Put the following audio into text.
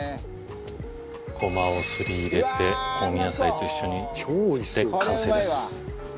ごまをすり入れて香味野菜と一緒に振って完成です。